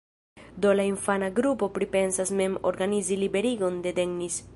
Do la infana grupo pripensas mem organizi liberigon de Dennis.